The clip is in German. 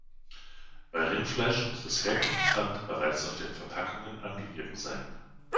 Bei Rindfleisch muss das Herkunftsland bereits auf den Verpackungen angegeben sein.